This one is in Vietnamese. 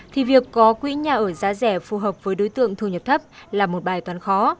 thì việc có quỹ nhà ở giá rẻ phù hợp với đối tượng thu nhập thấp là một bài toán khó